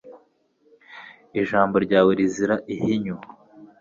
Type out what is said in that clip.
Ijambo ryawe rizira ihinyu